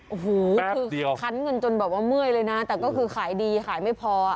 โอ้โฮคุณคันไหลจนแบบเมื่อยเลยนะแต่คือขายดีขายไม่พอ